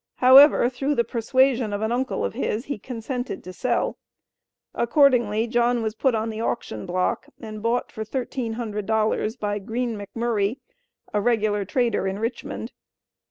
However, through the persuasion of an uncle of his, he consented to sell. Accordingly, John was put on the auction block and bought for $1,300 by Green McMurray, a regular trader in Richmond.